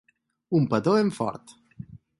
Un petó ben fort!